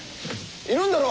いるんだろ？